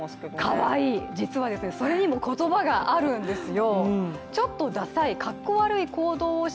かわいい、実はそれにも言葉があるんですよ。